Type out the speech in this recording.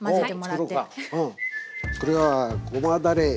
これはごまだれ。